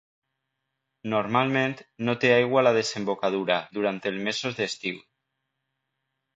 Normalment no té aigua a la desembocadura durant els mesos d'estiu.